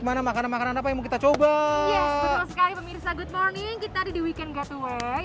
mana makanan makanan apa yang mau kita coba sekali pemirsa good morning kita di weekend getaway